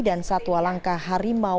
dan satwa langkah harimau